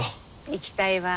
行きたいわ。